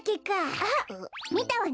あっみたわね。